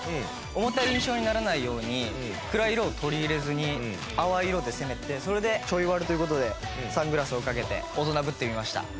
重たい印象にならないように暗い色を取り入れずに淡い色で攻めてそれでちょいワルという事でサングラスをかけて大人ぶってみました。